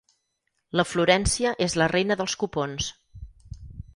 La Florència és la reina dels cupons.